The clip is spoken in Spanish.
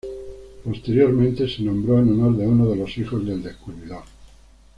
Posteriormente se nombró en honor de uno de los hijos del descubridor.